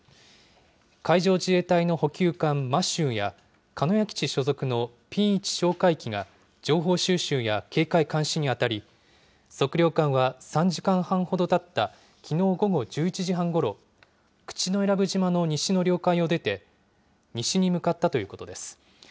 海上自衛隊の補給艦ましゅうや、鹿屋基地所属のＰ１哨戒機が情報収集や警戒・監視に当たり、測量艦は３時間半ほどたった、きのう午後１１時半ごろ、口永良部島の西の領海を出て、西に向かったということです。